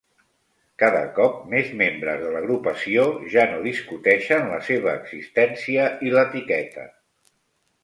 Cada cop més membres de l'agrupació ja no discuteixen la seva existència i l'etiqueta.